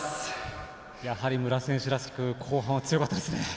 やはり武良選手らしく後半は強かったですね。